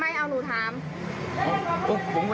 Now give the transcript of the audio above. เดี๋ยวให้กลางกินขนม